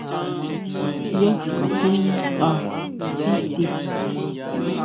Yá xkajén nkʼa ti tí.